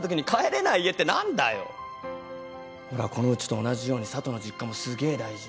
俺はこのうちと同じように佐都の実家もすげえ大事。